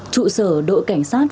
trụ sở đội cảnh sát